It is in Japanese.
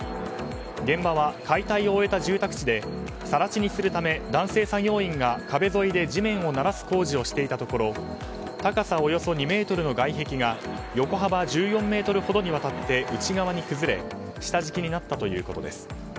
現場は解体を終えた住宅地で更地にするため男性作業員が壁沿いで地面をならす工事をしていたところ高さおよそ２ｍの外壁が横幅１４ｍほどにわたって内側に崩れ下敷きになったということです。